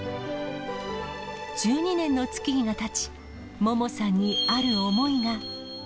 １２年の月日がたち、ももさんにある思いが。